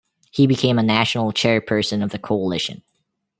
He became a national chairperson of the coalition.